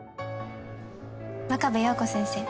真壁陽子先生